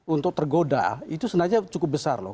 untuk tergoda itu sebenarnya cukup besar loh